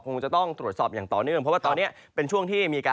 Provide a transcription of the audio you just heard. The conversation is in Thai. คงจะต้องตรวจสอบอย่างต่อเนื่อง